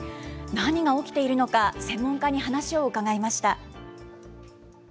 何が起きているのか、専門家に話を伺いました。